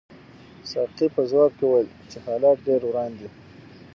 ساقي په ځواب کې وویل چې حالات ډېر وران دي.